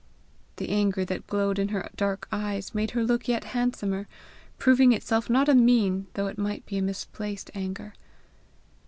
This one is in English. The anger that glowed in her dark eyes made her look yet handsomer, proving itself not a mean, though it might be a misplaced anger.